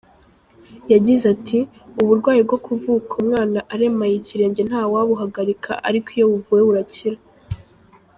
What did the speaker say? Yagize ati “Uburwayi bwo kuvuka umwana aremaye ikirenge ntawabuhagarika ariko iyo buvuwe burakira.